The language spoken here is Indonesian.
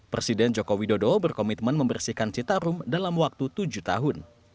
presiden joko widodo berkomitmen membersihkan citarum dalam waktu tujuh tahun